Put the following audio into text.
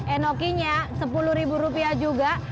enokinya rp sepuluh juga